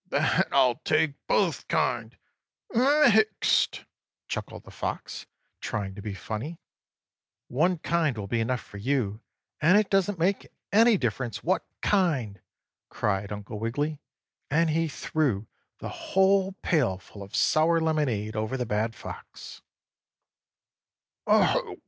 "Then I'll take both kind—mixed!" chuckled the Fox, trying to be funny. "One kind will be enough for you, and it doesn't make any difference what kind!" cried Uncle Wiggily, and he threw the whole pail full of Sour lemonade over the bad Fox.